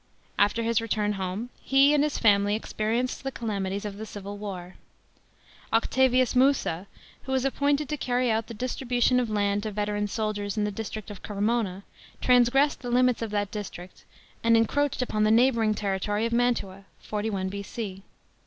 After his return home, he and his family experienced the calamities of the civil war. Octivms Musa, v\h«» was appointed to carry out the distribution of land to veteran soldiers in the district of Cremona, transgressed the limits of that district and encroached § upon the neighbouring territory of M ntua (41 B.C.).